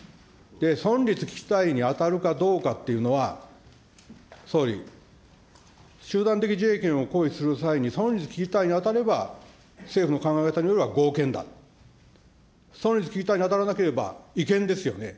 存立危機事態に当たるかどうかっていうのは、総理、集団的自衛権を行使する際に、存立危機事態に当たれば、政府の考え方によれば合憲だ、存立危機事態に当たらなければ、違憲ですよね。